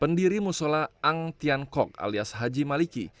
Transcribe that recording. pendiri musola ang tian kok alias haji maliki